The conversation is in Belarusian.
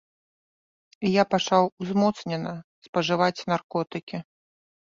І я пачаў узмоцнена спажываць наркотыкі.